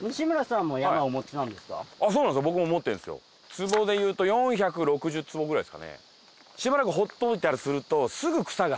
坪で言うと４６０坪ぐらいですかね。